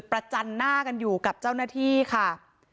จันหน้ากันอยู่กับเจ้าหน้าที่ค่ะ